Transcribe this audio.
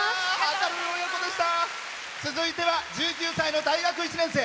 続いては１９歳の大学１年生。